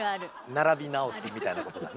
並び直すみたいなことだね。